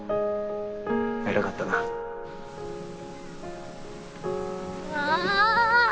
偉かったなああああ！